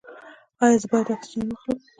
ایا زه باید اکسیجن واخلم؟